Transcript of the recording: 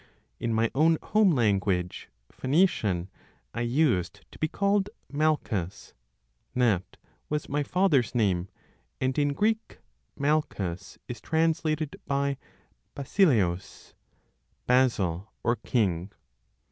In my own home language (Phoenician) I used to be called "Malchus"; that was my father's name, and in Greek "Malchus" is translated by "Basileus" (Basil, or King).